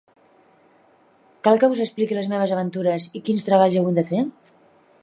Cal que us explique les meues aventures i quins treballs he hagut de fer?